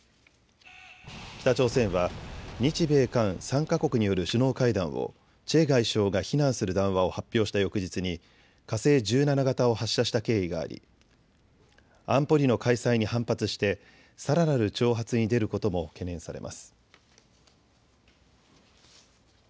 北朝鮮は日米韓３か国による首脳会談をチェ外相が非難する談話を発表した翌日に火星１７型を発射した経緯があり安保理の開催に反発してさらなる挑発に出ることも懸念されます。